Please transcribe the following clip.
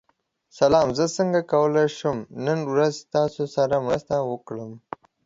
سلام، زه څنګه کولی شم نن ورځ ستاسو سره مرسته وکړم؟